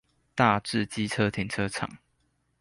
大智機車停車場